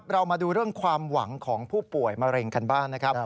เรามาดูเรื่องความหวังของผู้ป่วยมะเร็งกันบ้างนะครับ